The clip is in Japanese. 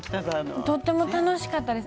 とても楽しかったです。